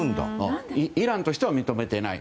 イランとしては認めていない。